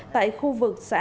tại khu vực an giang